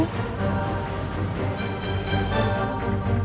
gak usah kamu di atas